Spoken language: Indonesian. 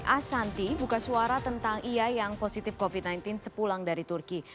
ashanti buka suara tentang ia yang positif covid sembilan belas sepulang dari turki